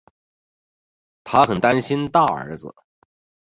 她很担心大儿子